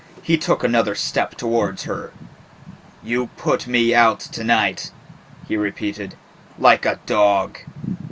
He took another step towards her. "You put me out to night," he repeated, "like a dog."